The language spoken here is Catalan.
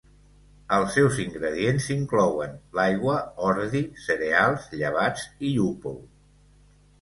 Els seus ingredients inclouen l'aigua, ordi, cereals, llevats, i llúpol.